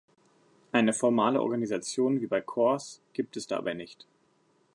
Eine formale Organisation wie bei Corps gibt es dabei nicht.